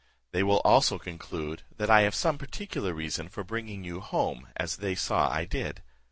They will also conclude that I have some particular reasons for bringing you home as they saw I did.